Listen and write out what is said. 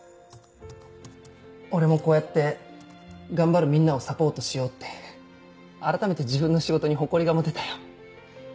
俺もこうやって頑張るみんなをサポートしようって改めて自分の仕事に誇りが持てたよ。